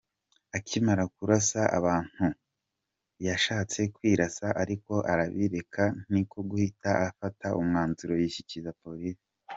Akimara kurasa aba bantu, yashatse kwirasa ariko arabireka niko guhita afata umwanzuro yishyikiriza polisi.